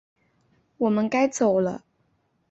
我们该走了